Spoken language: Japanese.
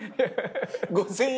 ５，０００円。